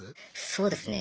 そうですね。